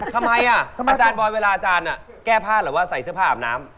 ทำไมอาจารย์บอยเวลาอาจารย์แก้ผ้าหรือว่าใส่เสื้อผ้าอาบน้ำ